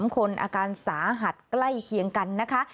๓คนอาการสาหัสใกล้เคียงกันนะคะ